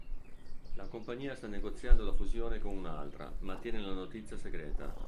La compagnia sta negoziando la fusione con un'altra, ma tiene la notizia segreta.